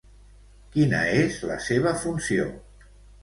Quina és la seva funció?